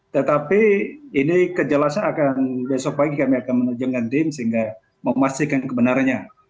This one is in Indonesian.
tetapi ini kejelasan akan besok pagi kami akan menunjukkan tim sehingga memastikan kebenarannya